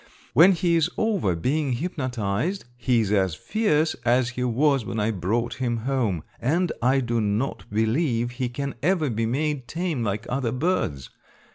When he is over being hypnotized he is as fierce as he was when I brought him home, and I do not believe he can ever be made tame like other birds.